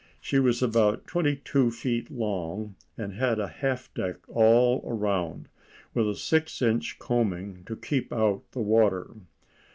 She was about twenty two feet long, and had a half deck all round, with a six inch combing to keep out the water.